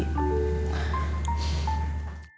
saya nggak tahu bagaimana cara balasnya